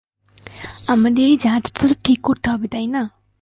আমাদের এই জাহাজটা তো ঠিক করতে হবে, তাই না?